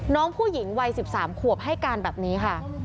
น้องผู้หญิงวัย๑๓ขวบให้การแบบนี้ค่ะ